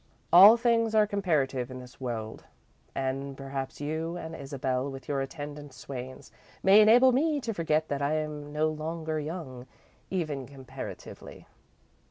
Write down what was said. "All things are comparative in this world, and perhaps you and Isabel, with your attendant swains, may enable me to forget that I'm no longer young, even comparatively."